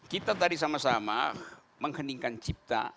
kita tadi sama sama mengheningkan cipta